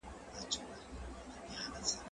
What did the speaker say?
زه بايد د کتابتون کار وکړم